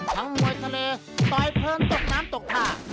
ทั้งมวยทะเลตอยเพลิงตกน้ำตกผ้า